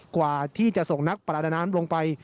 กว่าที่จะส่งนักประดาน้ำลงไป